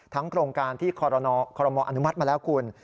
โครงการที่คอรมออนุมัติมาแล้วคุณ